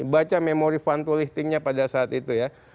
baca memori fantolitingnya pada saat itu ya